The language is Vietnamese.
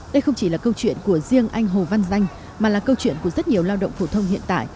đây không chỉ là câu chuyện của riêng anh hồ văn danh mà là câu chuyện của rất nhiều lao động phổ thông hiện tại